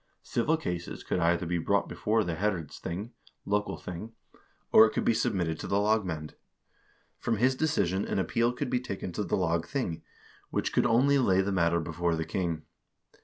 Civil cases could either be brought before the herredsthing (local thing), or it could be submitted to the lagmand. From his decision an appeal could be taken to the lagthing, which could only lay the matter before the king.